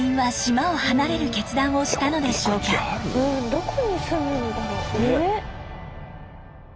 どこに住むんだろう？ね。